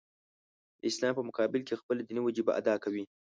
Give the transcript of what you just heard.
د اسلام په مقابل کې خپله دیني وجیبه ادا کوي.